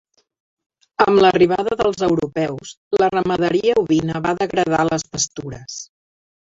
Amb l'arribada dels europeus la ramaderia ovina va degradar les pastures.